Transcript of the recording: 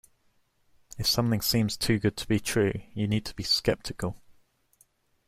If something seems too good to be true, you need to be sceptical.